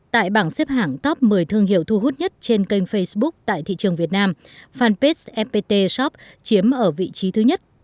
tại bảng xếp hãng top một mươi thương hiệu thu hút nhất trên kênh facebook tại thị trường việt nam fanpage fpt shop chiếm ở vị trí thứ nhất